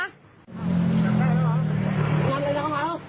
ถอดแม่นออกเลย